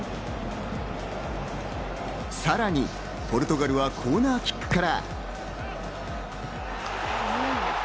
さらにポルトガルはコーナーキックから。